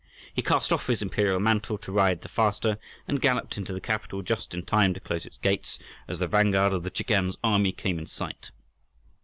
He cast off his imperial mantle to ride the faster, and galloped into the capital just in time to close its gates as the vanguard of the Chagan's army came in sight.